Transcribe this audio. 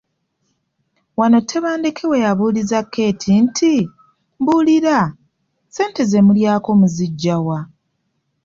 Wano Tebandeke we yabuuliza Keeti nti, “Mbuulira, ssente ze mulyako muziggya wa?''